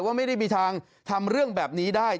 ว่าไม่ได้มีทางทำเรื่องแบบนี้ได้